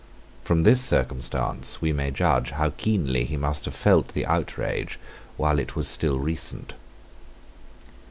From this circumstance we may judge how keenly he must have felt the outrage while it was still recent.